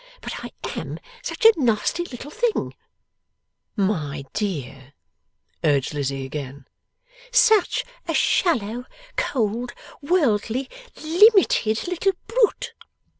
But I AM such a nasty little thing!' 'My dear!' urged Lizzie again. 'Such a shallow, cold, worldly, Limited little brute!